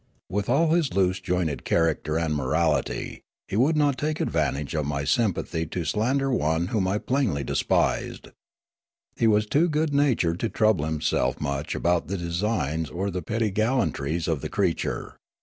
With all his loose jointed character and moralit} , he would not take ad vantage of my sympathy to slander one whom I plainly despised. He was too good natured to trouble himself much about the designs or the petty gallantries of the creature.